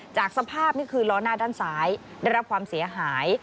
จากสภาพนี่คือล้อหน้าด้านซ้ายได้รับความเสียหาย